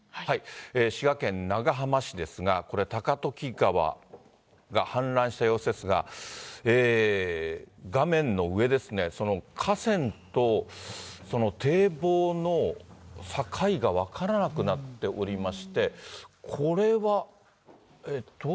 滋賀県長浜市ですが、これ、高時川が氾濫した様子ですが、画面の上ですね、その河川と堤防の境が分からなくなっておりまして、これはえっと？